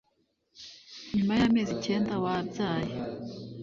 nyuma y'amezi icyenda wambyaye